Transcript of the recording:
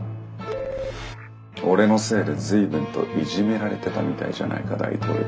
「俺のせいで随分といじめられてたみたいじゃないか大統領」。